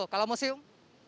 dua puluh kalau museum